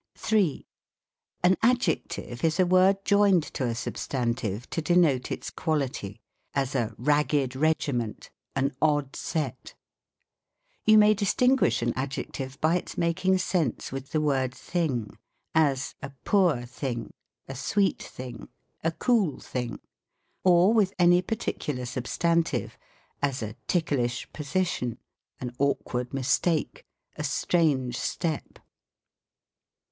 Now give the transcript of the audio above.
3. An Adjective is a word joined to a substantive to denote its quality ; as a ragged regiment, an odd set. You may distinguish an adjective by its making sense with the word thing : as, a poor thing, a su cet thing, a cool thing ; or with any particular substantive, as a ticklish position, an awkward mistake, a strange step.